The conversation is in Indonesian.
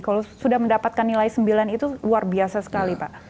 kalau sudah mendapatkan nilai sembilan itu luar biasa sekali pak